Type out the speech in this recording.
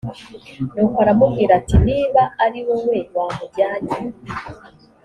nuko aramubwira ati niba ari wowe wamujyanye